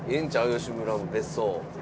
吉村も別荘。